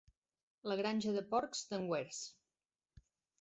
La granja de porcs d'en Wares.